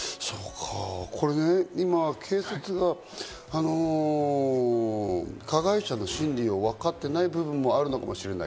今、警察が加害者の心理をわかっていない部分があるかもしれない。